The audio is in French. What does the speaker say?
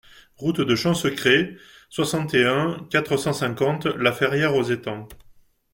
Route de Champsecret, soixante et un, quatre cent cinquante La Ferrière-aux-Étangs